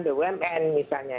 the wmn misalnya